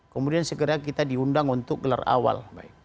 kemudian segera kita diundang untuk gelar awal